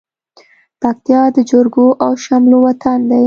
پکتيا د جرګو او شملو وطن دى.